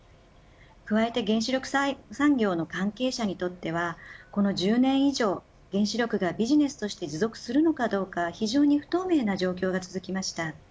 加えて原子力産業の関係者にとってはこの１０年以上、原子力がビジネスとして持続するのかどうか非常に不透明な状況が続きました。